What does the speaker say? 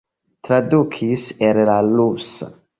Tradukis el la rusa.